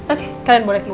oke kalian boleh keluar